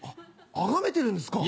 あがめてるんですか？